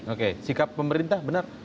oke sikap pemerintah benar